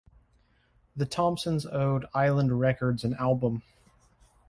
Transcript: The Thompsons owed Island Records an album.